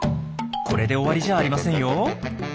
これで終わりじゃありませんよ。